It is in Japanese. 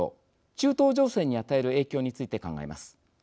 中東情勢に与える影響について考えます。